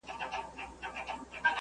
د چنګېز پر کور ناورين ؤ ,